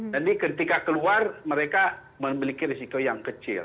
jadi ketika keluar mereka memiliki risiko yang kecil